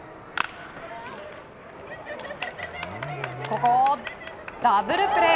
ここをダブルプレー！